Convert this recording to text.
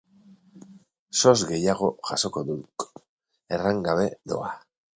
SOS gehiago jasoko duk, erran gabe doa.